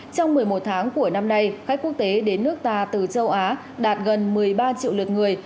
trong một mươi một tháng của năm nay khách quốc tế đến nước ta từ châu á đạt gần một mươi ba triệu lượt người